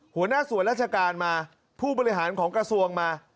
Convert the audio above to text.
หัวหน้าส่วนราชการมาผู้บริหารของกระทรวงมา